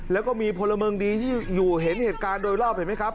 แล้วก็มีพลเมืองดีที่อยู่เห็นเหตุการณ์โดยรอบเห็นไหมครับ